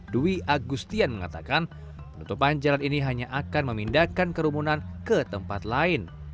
dwi agustian mengatakan penutupan jalan ini hanya akan memindahkan kerumunan ke tempat lain